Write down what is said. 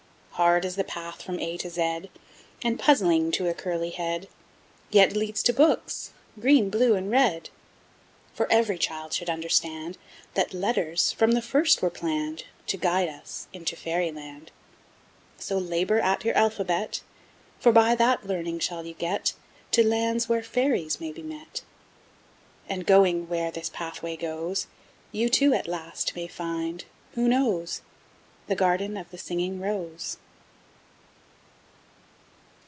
Hard is the path from A to Z, And puzzling to a curly head, Yet leads to Books Green, Blue, and Red. For every child should understand That letters from the first were planned To guide us into Fairy Land So labour at your Alphabet, For by that learning shall you get To lands where Fairies may be met. And going where this pathway goes, You too, at last, may find, who knows? The Garden of the Singing Rose.